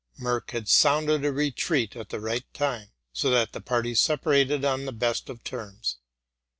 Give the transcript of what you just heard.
Merck had sounded a retreat just at the right time, so that, the party separated on the best of terms.